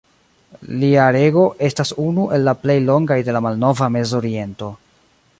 Lia rego estas unu el la plej longaj de la malnova Mezoriento.